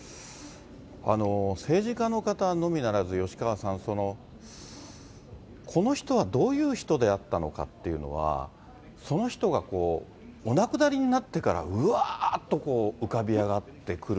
政治家の方のみならず、吉川さん、この人はどういう人であったのかっていうのは、その人がお亡くなりになってから、うわーっとこう、そうですね。